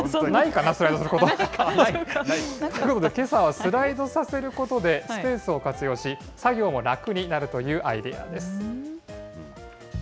ないかな、スライドすること。ということで、けさはスライドさせることでスペースを活用し、作業も楽になるというアイデアです。